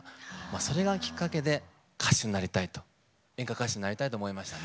それがきっかけで歌手になりたいと、演歌歌手になりたいと思いましたね。